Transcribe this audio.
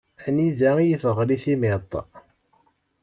Anida iyi-teɣli timiṭ?